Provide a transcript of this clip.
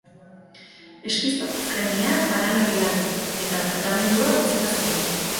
Eskizofrenia paranoidea du, eta tratamendua utzita zuen.